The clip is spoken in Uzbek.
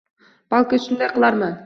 Balki, shunday qilarman.